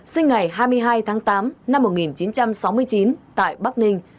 sinh ngày hai mươi hai tháng tám năm một nghìn chín trăm sáu mươi chín tại bắc ninh